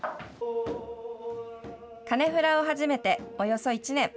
カネフラを始めておよそ１年。